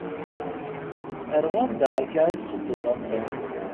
Ar wanda akka i tettedduḍ a Tom?